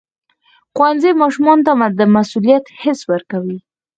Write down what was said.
ښوونځی ماشومانو ته د مسؤلیت حس ورکوي.